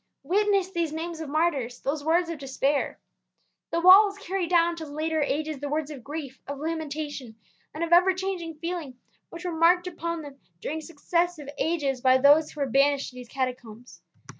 Witness these names of martyrs, those words of despair. The walls carry down to later ages the words of grief, of lamentation, and of ever changing feeling which were marked upon them during successive ages by those who were banished to these Catacombs.